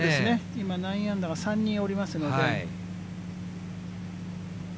今、９アンダーが３人おりますので。